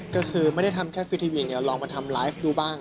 ก็คือไม่ได้ทำแค่ฟิทีวีอย่างเดียวลองมาทำไลฟ์ดูบ้าง